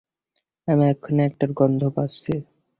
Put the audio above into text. আমি এখনই এটার গন্ধ পাচ্ছি।